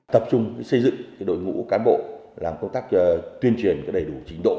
tập trung xây dựng đội ngũ cán bộ làm công tác tuyên truyền đầy đủ trình độ